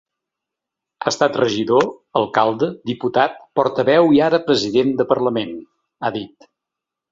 He estat regidor, alcalde, diputat, portaveu i ara president de parlament, ha dit.